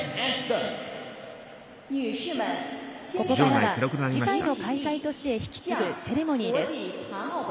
ここからは次回の開催都市へ引き継ぐセレモニーです。